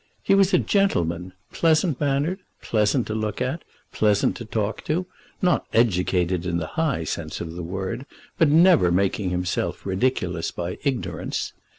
He was a gentleman, pleasant mannered, pleasant to look at, pleasant to talk to, not educated in the high sense of the word, but never making himself ridiculous by ignorance.